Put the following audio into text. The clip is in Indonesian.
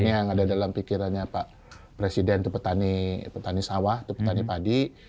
yang ada dalam pikirannya pak presiden itu petani petani sawah itu petani padi